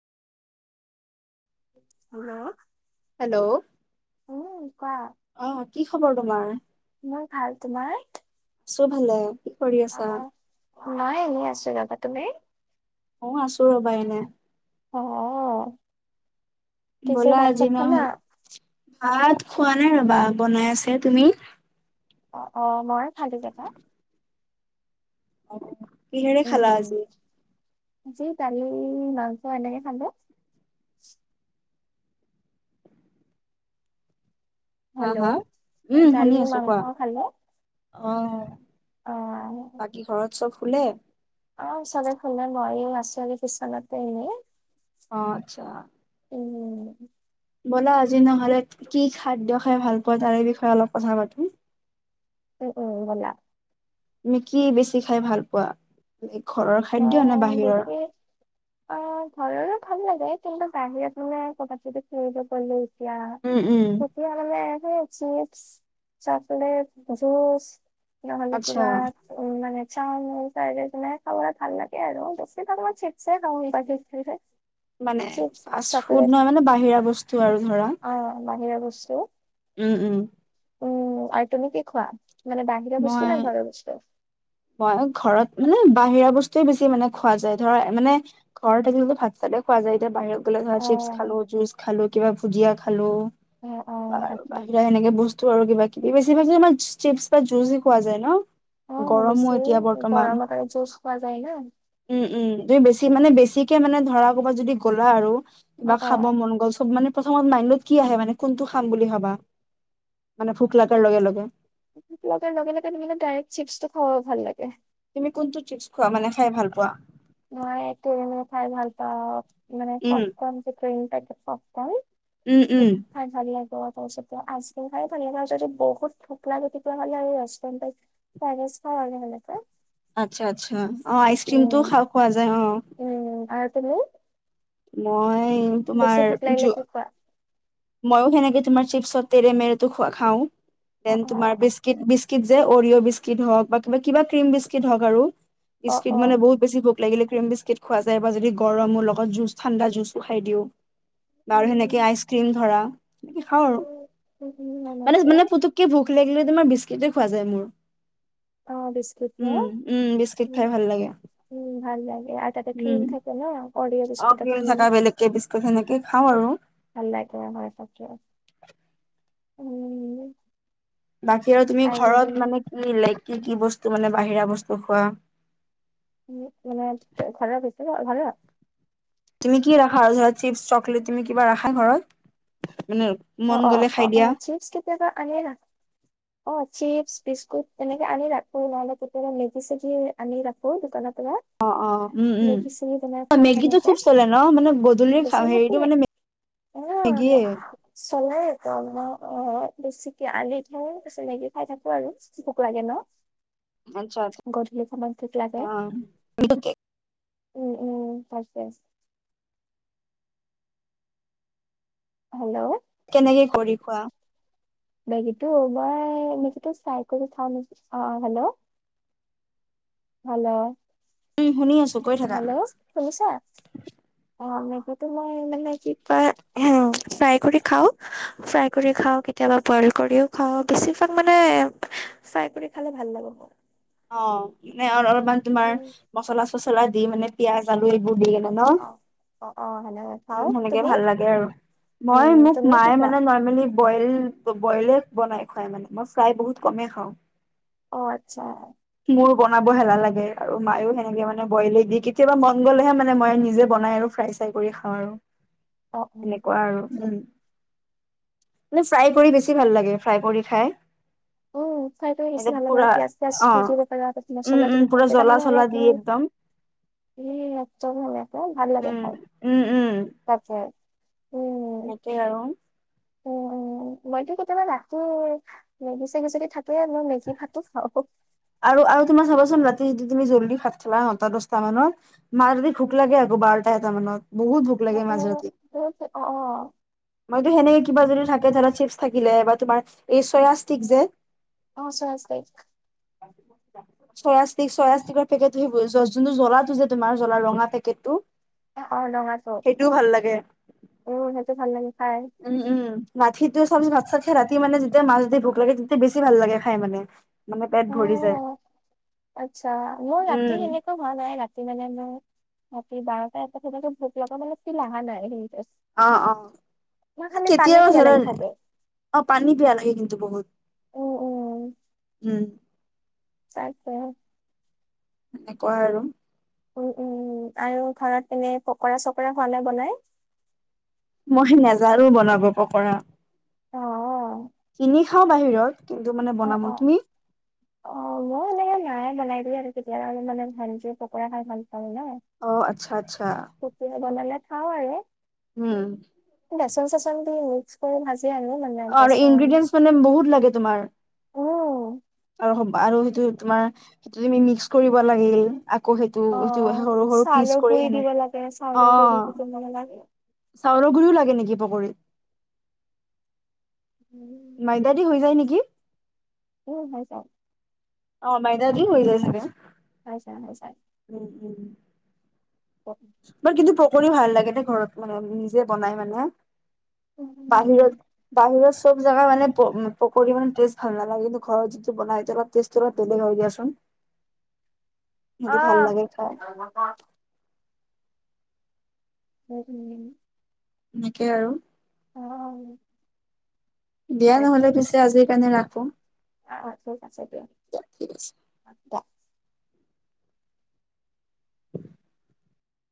Hello hello উম কোৱা অ, কি খবৰ তোমাৰ? মোৰ ভাল, তোমাৰ? আছোঁ ভালে। কি কৰি আছা আহ, নাই এনে আছো যাবা তুমি? অ', আছো ৰবা এনে। অঃ। ব'লা আজিমা হে ভাত খোৱা নাই ৰবা বনাই আছে তুমি? অ, অ, মই খালো কেটা। অ', কিহেৰে খালা উম আজি? আজি দালি, মাংস এনেকে খালোঁ। হা, হেল্ল' হা, উম, শুনি দালি আছো মাংস কোৱা। খালো অহ, অ। চব খুলে? অ, চাগে খালে মইও আছো কিছনতে এনেই। অ', আচ্ছা। উম। বলা আজি নহ'লে কি খাদ্য খাই ভাল পোৱা তাৰে বিষয়ে অলপ কথা পাতো। উম, উম, বলা। তুমি কি বেছি খাই ভাল পোৱা? ঘৰৰ অ খাদ্য নে বাহিৰৰ? বিশেষ অ ঘৰৰো ভাল লাগে কিন্তু বাহিৰত মানে কবাত যদি ফুৰিব গলে এতিয়া উম উম তেতিয়া মানে হে, চিপছ, চকলেট, জুচ। নহলে আচ্ছা কিবা উ, মানে চাউ মাও তাই যেনে খাবলে ভাল লাগে আৰু বেছিভাগ মানে চিপছে খাওঁ বাকি খাই। [unintelligible] মানে ফাষ্ট ফুড নহয় মানে বাহিৰা বস্তু আৰু ধৰ। অ', বাহিৰা বস্তু? উম, উম। উম, আৰু তুমি কি খোৱা? মানে বাহিৰা বস্তু মই নে ঘৰৰ বস্তু? মই ঘৰত মানে বাহিৰা বস্তুৱে বেছি মানে খোৱা যায় ধৰা মানে ঘৰত থাকিলোঁ যদি ভাত চাতে খোৱা যায় এতিয়া বাহিৰৰ ধৰা চিপছ খালো, অ', জুচ খালো, কিবা ভুজিয়া খালো। অ', অ', আৰু তাকে বাহিৰা এনেকে বস্তু আৰু কিবা কিবি বেছিভাগে আমাৰ চিপছ যুজি খোঁৱা যায় ন? অ', গৰমো বেছি এতিয়া বৰ্তমান। গৰমত আৰু জুচ খোৱা যায় ন উম উম এই বেছি। মানে বেছিকে মানে ধৰা কৰ'ৰবাত যদি গ'লা আৰু বা অ', খাব অ', মন গ'ল চব মানে প্ৰথমত মান্যত কি আহে মানে কোনটো খাম বুলি ভবা মানে ভোক লগাৰ লগে লগে লগাৰ লগে লগে নিমিলে ডাইৰেক্ট চিপছটো খাবও ভাল লাগে তুমি কোনটো চিপছ খোৱা মানে খাই ভাল পোৱা [unintelligible] খাই ভাল পাওঁ মানে উম, স্তনস্ত উম, উম। [unintelligible] [unintelligible] ভাল হ'লে ত আচ্ছা আচ্ছা অ আইচক্ৰিমটো খ খোৱা যায় অ [unintelligible] মই বেছি ভোক তোমাৰোৱা লাগিলে যো কি খোৱা মইয়ো সেনেকে তোমাৰ চিপছৰ তেৰে মেৰে টো খাওঁ অ দেন অ তুমাৰ বিস্কুট যে অৰিঅ' বিস্কিট হওক বা কিবা কিবা ক্ৰীম বিস্কিট হওক আৰু অ বিস্কিট অ মানে বহুত বেছি ভোক লাগিলে [unintelligible] বিস্কট খোৱা যায় বা যদি গৰমৰ লগত ঠাণ্ডা জুচো খাই দিও বা আৰু সেনেকে উম আইচ ক্ৰীম ধৰা সনেকে খাওঁ আৰু উম মানে এনেকে মানে পুতুককে ভোক প্লেগ লৈ তোমাৰ বিস্কেটে খোৱা যায় মোৰ অ বিস্কিট ন উম উম বিস্কিট উ খাই ভাল লাগে উম ভাল লাগে আৰু তাতে উম [unintelligible] থাকে ন [unintelligible] অ তিল ক্ৰীম থকা বিস্কুট সেনেকে খাওঁ আৰু ভাল লাগে হয় তাকে [unintelligible] উম বাকী আৰু তুমি আৰু ঘৰত মানে কি ল কি কি বস্তু মানে বাহিৰা বস্তু খোৱা উ মানে ঘৰত পছে ঘাল তুমি কি ৰাখা আৰু ধৰা চিপছ চকলেট তুমি কিবা ৰাখা ঘৰত মানে অ মন অ গ'লে অ খাই অ দিয়া? চিপছ কেতিয়াবা আ নে অ চিপছ বিস্কুট তেনেকে আনি ৰাখো নহলে কেতিয়াবা মেজি চেজি আনি ৰাখো দোকানত [unintelligible] অ', অ উম উম মেগীটো খুব চলে ন মানে গধূলি হেৰিটো মানে উম মেগীয়ে। চলাই [unintelligible] অ বেছিকে আনি থৌ মেগি খাই থাকো আৰু ভুক লাগে ন আচ্ছা আচ্ছা গধূলি [unintelligible] লাগে অ'। উম উম আছে আছে হেল্ল' কেনেকে কৰি খোৱা বেগীটো মই নিজো চাই কৰি চাওঁ নি [unintelligible] হেল্ল' উম শুনি আছো কৈ থাকা। হেল্ল' শুনিছা অ মই মানে কি ক হ ফ্ৰাই কৰি খাও ফ্ৰাই কৰি খাও কেতিয়াবা বইল কৰিও খাওঁ বেছিভাগ মানে ফ্ৰাই কৰি খালে ভাল লাগ অ মানে অলপমান তুমাৰ মচলা চচলা দি মানে পিয়াজ আলু এইবোৰ দি কেনে ন অ'। অ', অ' সেনেকে উম খাওঁ সেনেকে তুমি ভাল লাগে আৰু উম, মই মোক তুমি কি মায়ে খোৱা? মানে নৰ্মেলি বইল বইলে বনাই খুৱাই মানে মই চাই বহুত কমেই খাওঁ অ আচ্ছা মোৰ বনাব হেলা লাগে আৰু মায়ো সেনেকে মানে বইলে দি কেতিয়াবা মন গ'লেহে মানে মই নিজে বনাই আৰু ফ্ৰাই চাই কৰি খাওঁ আৰু অ' উম। এনেকুৱা আৰু উম মে ফ্ৰাই কৰি বেছি ভাল লাগে ফ্ৰাই কৰি খাই অ ফ্ৰাই [unintelligible] পিয়াঁজ এতিয়া পুৰা দি অ', দিব পাৰ উম, মছলা উম দিব পাৰা মচলা দিব পুৰা পাৰা তেতিয়া জ্বলা মানে চলা অলপ দি মানে একদম উম, উম, উম [unintelligible] উম। এনেকে আৰু। উম, [unintelligible] উম মইতো কেতিয়াবা ৰাতি মেগি চেগি চেগি থাকোই মেগী ভাতো খাওঁ আৰু আৰু তোমাৰ চাবাচোন ৰাতি যদি তুমি জ্বলি ভাত খালা নটা দশটা মানত মাৰদি ভোক লাগে আ বাৰটা এটা মনত বহুত ভোক অ লাগে অ বহুত অ অ [unintelligible] কিবা যদি থাকে ধৰা চিপছ থাকিলে বা তোমাৰ এই চয়া ষ্টিক যে অ চোৱা [unintelligible] চয়য়া ষ্টিক চয়য়া ষ্টিকৰ পেকেটটো যোনটো জ্বলাটো যে তুমাৰ জলাৰ ৰঙা পেকেট টো অ [unintelligible] উম উম মখিটো চব ভাত চাত ৰাতি মানে যেতিয়া মাছ দি ভোক লাগে তেতিয়া বেছি ভাল লাগে খাই মানে মানে পেট অ ভৰি যায় আচ্ছা মোৰ ৰাতি উম সেনেকুৱা হোৱা নাই ৰাতি মানে মোৰ ৰাতি বাৰটা এটা ভুক লগা মানে তি লাহান নাই অ অ মই খালি পানী কেতিয়াবা পিয়াহ ধৰা লাগি নাই থাকে অ পানী পিয়া লাগে কিন্তু বহুত উম উম উম [unintelligible] সনেকুৱা আৰু উ উম আৰু ঘৰত এনে পকৰা চকৰা হোৱা নাই বনাই মই নেজানো বনাব পকৰা অ কিনি খাও বাহিৰত কিন্তু মানে অ বনাব অ তুমি অ [unintelligible] অ আচ্ছা আচ্ছা কেতিয়াবা মানে [unintelligible] হ হয়ে উম বেচন চেচন দি মিক্স কৰি ভাজ আৰু ইনগ্ৰিডিয়েণ্চ মানে বহুত লাগে তোমাৰ উম আৰু আৰু সেইটো তোমাৰ সেইটো তুমি মিক্স কৰিব লাগিল আকৌ সেইটো অ সটো সৰু সৰু চাউলৰ পিচ গুৰি কৰি দিব হেনো লাগে অ চাউলৰ গুৰি দি বনাব লাগে চাউৰ গুৰিও লাগে নেকি পকীত মাইদাদ হৈ যায় নেকি উ হয় যাই অ মাইদাদি হৈ যায় চাগে [unintelligible] অহ বাৰ কিন্তু পকৰৰিও ভাল লাগে দে ঘৰত মানে নিজে বনাই মানে উম উম, বাহিৰত বাহিৰত চব জোগা মানে পকৰি মানে টেষ্ট ভাল নালাগে কিন্তু ঘৰত যিটো বনাই অলপ টেটো অলপ বেলেগ হয় দিয়াচোন অ সেইটো ভাল লাগে খাই [unintelligible] এনেকেই আৰু উ দিয়া নহ'লে পিছে আজিৰ কাৰণে ৰাখো আহ অ ঠিক আছে দিয়া ঠিক আছে [unintelligible] [unintelligible]